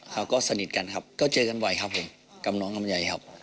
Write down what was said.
เขาก็สนิทกันครับก็เจอกันบ่อยครับผมกับน้องลำไยครับ